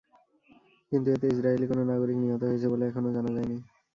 কিন্তু এতে ইসরায়েলি কোনো নাগরিক নিহত হয়েছে বলে এখনো জানা যায়নি।